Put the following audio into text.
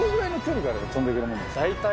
大体。